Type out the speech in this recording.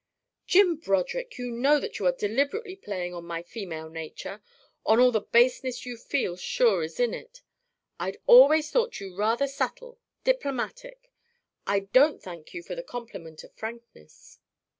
"Jim Broderick, you know that you are deliberately playing on my female nature, on all the baseness you feel sure is in it. I'd always thought you rather subtle, diplomatic. I don't thank you for the compliment of frankness."